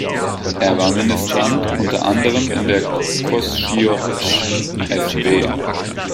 Er war Ministrant unter anderem in der "Kościół św.